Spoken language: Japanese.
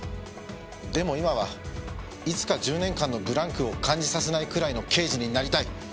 でも今はいつか１０年間のブランクを感じさせないくらいの刑事になりたい。